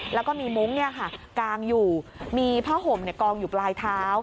แล้วก็มีมุ้งกางอยู่มีผ้าห่มกองอยู่ปลายเท้า